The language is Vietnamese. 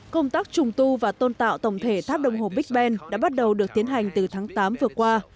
công tác trùng tu và tôn tạo tổng thể tháp đồng hồ big bang đã bắt đầu được tiến hành từ tháng tám vừa qua